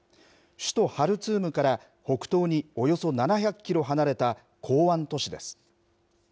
首都ハルツームから北東におよそ７００キロ離れた港湾都市です。